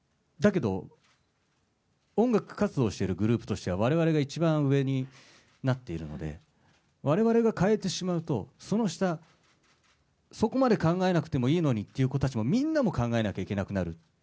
だけど、われわれが一番上になっているので、われわれが変えてしまうと、その下、そこまで考えなくてもいいのにっていう子たちもみんなも考えなきゃいけなくなる。